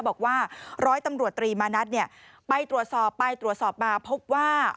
บอกว่าร้อยตำรวจตรีมานัดไปตรวจสอบไปตรวจสอบมาพบว่า